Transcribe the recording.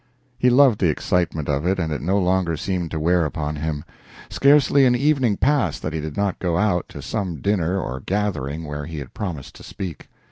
He loved the excitement of it, and it no longer seemed to wear upon him. Scarcely an evening passed that he did not go out to some dinner or gathering where he had promised to speak.